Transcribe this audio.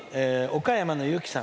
岡山のゆきさん。